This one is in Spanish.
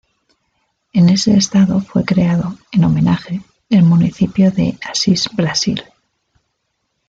En ese estado fue creado, en homenaje, el municipio de Assis Brasil.